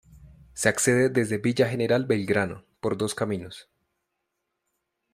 Se accede desde Villa General Belgrano, por dos caminos.